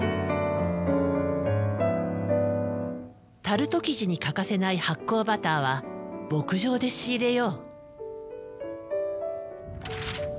タルト生地に欠かせない発酵バターは牧場で仕入れよう。